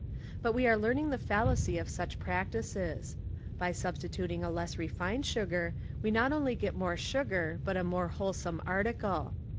But we are learning the fallacy of such practices. By substituting a less refined sugar we not only get more sugar but a more wholesome article.